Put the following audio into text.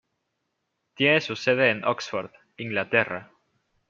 Tiene su sede en Oxford, Inglaterra.